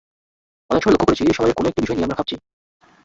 অনেক সময় লক্ষ করেছি, সমাজের কোনো একটি বিষয় নিয়ে আমরা ভাবছি।